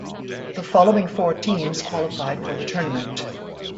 The following four teams qualified for the tournament.